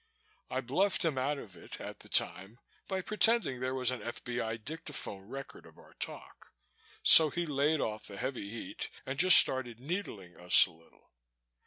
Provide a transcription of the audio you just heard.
I bluffed him out of it at the time by pretending there was an F.B.I. dictaphone record of our talk, so he laid off the heavy heat and just started needling us a little.